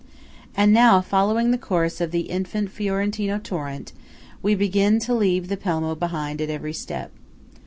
And now, following the course of the infant Fiorentino torrent, we begin to leave the Pelmo behind at every step.